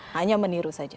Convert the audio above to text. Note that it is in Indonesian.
hanya meniru saja